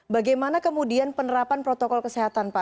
bagaimana kemudian penerapan protokol kesehatan pak